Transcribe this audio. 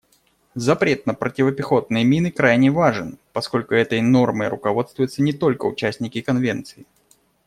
Запрет на противопехотные мины крайне важен, поскольку этой нормой руководствуются не только участники Конвенции.